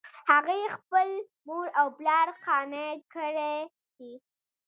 هغې خپل مور او پلار قانع کړل چې